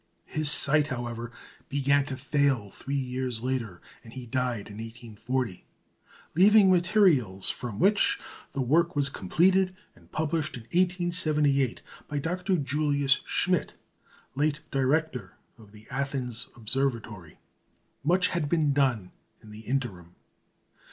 His sight, however, began to fail three years later, and he died in 1840, leaving materials from which the work was completed and published in 1878 by Dr. Julius Schmidt, late director of the Athens Observatory. Much had been done in the interim.